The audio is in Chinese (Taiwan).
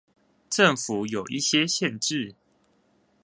政府有一些限制